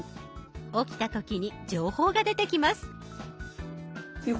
起きた時に情報が出てきます。